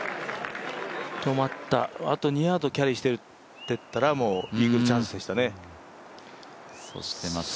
止まった、あと２ヤードキャリーしていたらイーグルチャンスでしたね。